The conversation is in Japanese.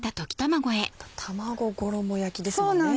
卵衣焼きですもんね。